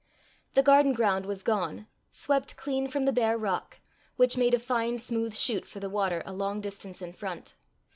The garden ground was gone, swept clean from the bare rock, which made a fine smooth shoot for the water a long distance in front.